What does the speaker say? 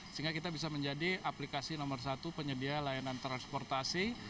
sehingga kita bisa menjadi aplikasi nomor satu penyedia layanan transportasi